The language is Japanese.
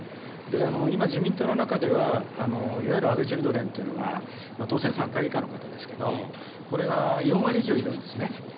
今、自民党の中ではいわゆる安倍チルドレンというのが当選３回以下の方ですけれども、これが４割以上いるんですね。